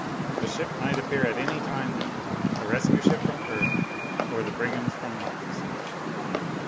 A ship might appear at any time now a rescue ship from Earth, or the brigands from Mars.